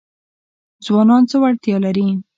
ځوانان څه وړتیا لري؟